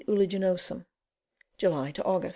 uliginosum. July Aug.